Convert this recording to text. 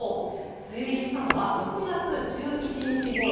梅雨入りしたのは６月１１日ごろ。